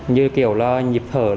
như kiểu là dịp thở